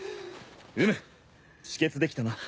うむ止血できたな。